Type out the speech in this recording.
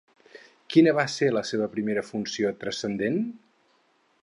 Quina va ser la seva primera funció transcendent?